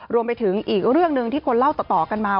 รวมไปถึงอีกเรื่องหนึ่งที่คนเล่าต่อกันมา